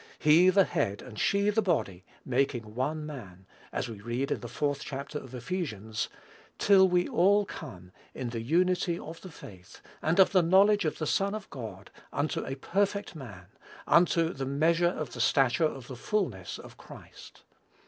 He the Head and she the body, making one Man, as we read in the fourth chapter of Ephesians, "Till we all come, in the unity of the faith, and of the knowledge of the Son of God, unto a perfect man, unto the measure of the stature of the fulness of Christ."